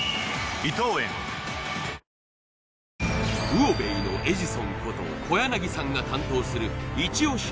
魚べいのエジソンこと小柳さんが担当するイチ押し